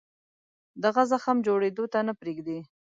دغه زخم جوړېدو ته نه پرېږدي.